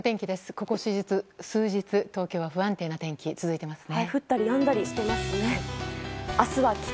ここ数日、東京は不安定な天気続いていますね。